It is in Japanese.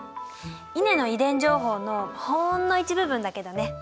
イネの遺伝情報のほんの一部分だけどね。